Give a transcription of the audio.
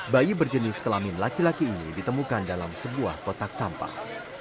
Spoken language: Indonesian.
bayi berjenis kelamin laki laki ini ditemukan dalam sebuah kotak sampah